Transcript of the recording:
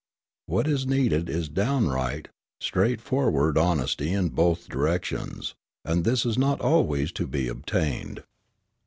What is needed is downright, straightforward honesty in both directions; and this is not always to be obtained.